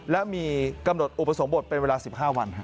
และมีกำหนดอุปสมบทเป็นเวลา๑๕วัน